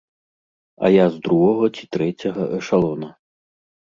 А я з другога ці трэцяга эшалона.